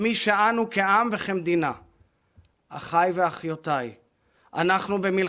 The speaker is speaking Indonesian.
merespons perang yang berkecamuk hingga menewaskan ratusan warga sipil